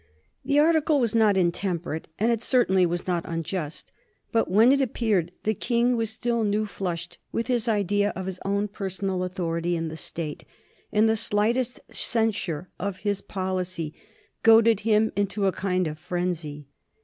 The article was not intemperate and it certainly was not unjust. But when it appeared the King was still new flushed with his idea of his own personal authority in the State, and the slightest censure of his policy goaded him into a kind of frenzy.